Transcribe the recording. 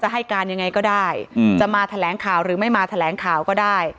ให้การยังไงก็ได้จะมาแถลงข่าวหรือไม่มาแถลงข่าวก็ได้